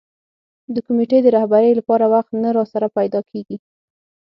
د کمېټې د رهبرۍ لپاره وخت نه راسره پیدا کېږي.